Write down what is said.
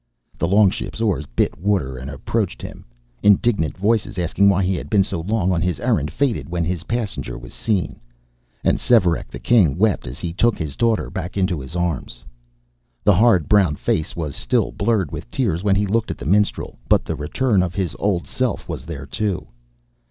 The longship's oars bit water and approached him. Indignant voices asking why he had been so long on his errand faded when his passenger was seen. And Svearek the king wept as he took his daughter back into his arms. The hard brown face was still blurred with tears when he looked at the minstrel, but the return of his old self was there too.